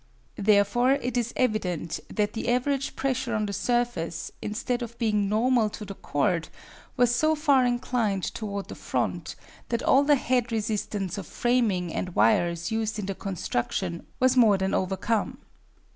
Therefore, it is evident that the average pressure on the surface, instead of being normal to the chord, was so far inclined toward the front that all the head resistance of framing and wires used in the construction was more than overcome.